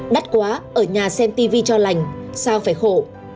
đắt quá ở nhà xem tv cho lành sao phải khổ